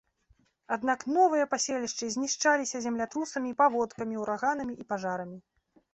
Аднак новыя паселішчы знішчаліся землятрусамі, паводкамі, ураганамі і пажарамі.